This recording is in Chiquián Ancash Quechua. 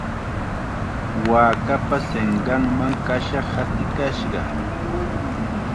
Waakapa sinqanman kasha hatikashqa.